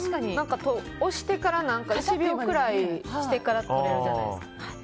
押してから、１秒くらいしてから撮れるじゃないですか。